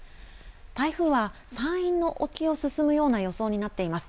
台風は山陰の沖を進むような予想になっています。